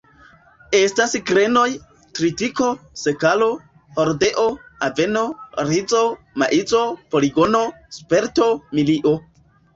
Estas grenoj: tritiko, sekalo, hordeo, aveno, rizo, maizo, poligono, spelto, milio.